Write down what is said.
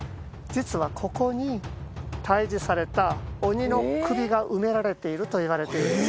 実はここに退治された鬼の首が埋められているといわれている。